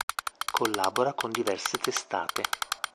Collabora con diverse testate.